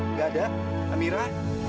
nggak ada amira